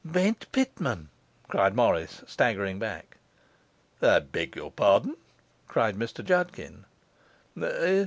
'Bent Pitman!' cried Morris, staggering back. 'I beg your pardon,' said Mr Judkin.